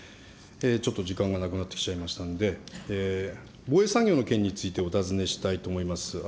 ちょっと時間がなくなってきちゃいましたので、防衛産業の件についてお尋ねしたいと思います。